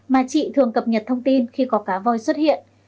mà chị thường cập nhật thông tin khi có cá voi xuất hiện